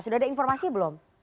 sudah ada informasi belum